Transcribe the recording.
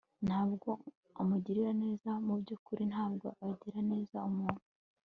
ntabwo amugirira neza. mubyukuri, ntabwo agirira neza umuntu